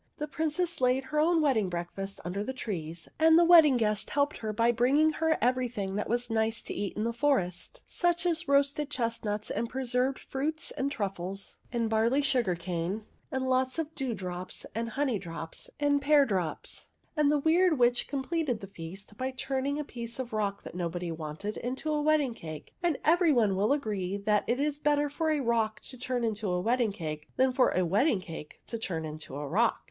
The Princess laid her own wedding breakfast under the trees, and the wedding guests helped her by bringing her everything that was nice to eat in the forest, such as roasted chestnuts and preserved fruits and truffles and barley sugar cane, and lots of dewdrops and honey drops and pear drops ; and the Weird Witch completed the feast by turning a piece of rock that nobody wanted into a wedding cake, and every one will agree that it is better for a rock to turn into a wedding cake than for a wedding cake to turn into a rock.